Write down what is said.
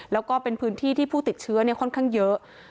แล้วก็เป็นพื้นที่ที่ผู้ติดเชื้อค่อนข้างเยอะ